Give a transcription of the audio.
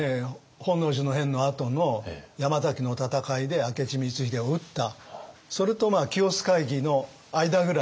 本能寺の変のあとの山崎の戦いで明智光秀を討ったそれと清須会議の間ぐらい。